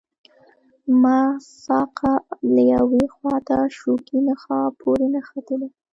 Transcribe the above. د مغز ساقه له یوې خواته شوکي نخاع پورې نښتې ده.